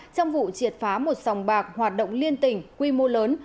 trong vụ triệt phá một sòng bạc hoạt động liên tỉnh quy mô lớn